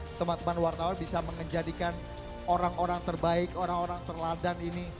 atau teman teman wartawan bisa menjadikan orang orang terbaik orang orang terladan ini